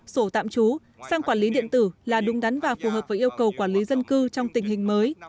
sổ tạm trú sang quản lý điện tử là đúng đắn và phù hợp với yêu cầu quản lý dân cư trong tình hình mới